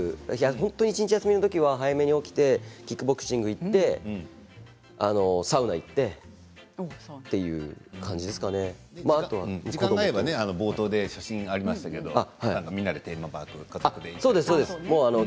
本当に一日休みの時は早めに起きてキックボクシングに行ってサウナに行って時間が合えば冒頭で写真がありましたけれどもみんなでテーマパークとかね。